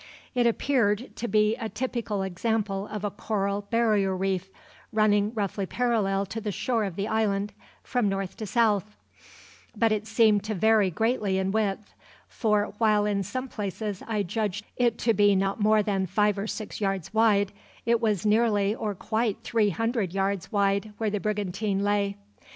It appeared to be a typical example of a coral barrier reef, running roughly parallel to the shore of the island, from north to south; but it seemed to vary greatly in width, for while in some places I judged it to be not more than five or six yards wide, it was nearly or quite three hundred yards wide where the brigantine lay.